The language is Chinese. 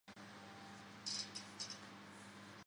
砂拉越拥有热带雨林气候。